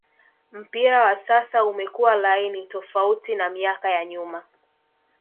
mpira wa sasa umekua laini tofauti na miaka ya nyuma